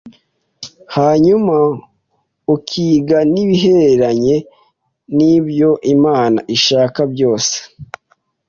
hanyuma ukiga n ibihereranye n ibyo Imana ishaka byose